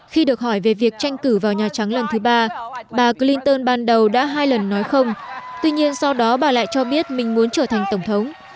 khi được hỏi về việc tranh cử vào nhà trắng lần thứ ba bà clinton ban đầu đã hai lần nói không tuy nhiên sau đó bà lại cho biết mình muốn trở thành tổng thống